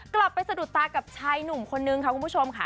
สะดุดตากับชายหนุ่มคนนึงค่ะคุณผู้ชมค่ะ